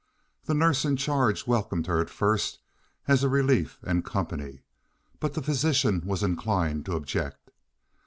The nurse in charge welcomed her at first as a relief and company, but the physician was inclined to object.